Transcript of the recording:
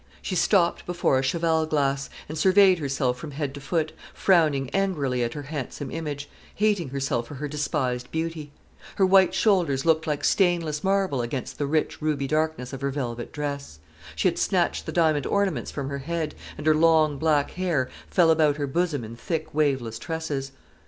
She stopped before a cheval glass, and surveyed herself from head to foot, frowning angrily at her handsome image, hating herself for her despised beauty. Her white shoulders looked like stainless marble against the rich ruby darkness of her velvet dress. She had snatched the diamond ornaments from her head, and her long black hair fell about her bosom in thick waveless tresses.